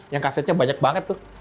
yang kasetnya banyak banget tuh